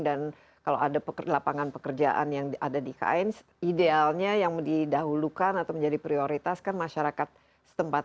dan kalau ada lapangan pekerjaan yang ada di ikn idealnya yang didahulukan atau menjadi prioritas kan masyarakat setempat